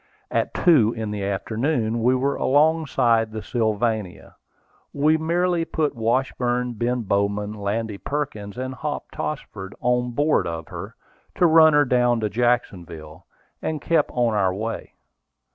At two in the afternoon we were alongside the Sylvania. We merely put Washburn, Ben Bowman, Landy Perkins, and Hop Tossford on board of her, to run her down to Jacksonville, and kept on our way.